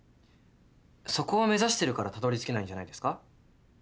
そこを目指してるからたどりつけないんじゃないですか？